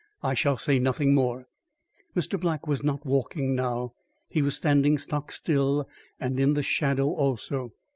I shall say nothing more." Mr. Black was not walking now; he was standing stock still and in the shadow also.